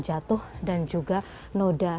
jatuh dan juga noda